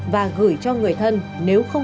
và gửi cho người thân